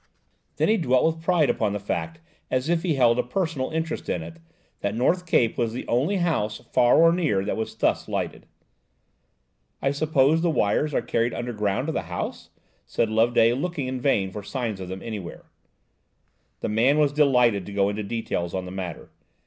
Then he dwelt with pride upon the fact, as if he held a personal interest in it, that North Cape was the only house, far or near, that was thus lighted. "I suppose the wires are carried underground to the house," said Loveday, looking in vain for signs of them anywhere. The man was delighted to go into details on the matter.